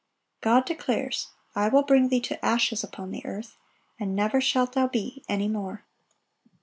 God declares, "I will bring thee to ashes upon the earth, ... and never shalt thou be any more."